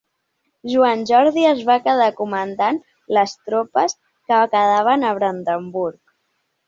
Joan Jordi es va quedar comandant les tropes que quedaven a Brandenburg.